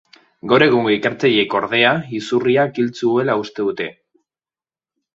Gaur egungo ikertzaileek, ordea, izurriak hil zuela uste dute.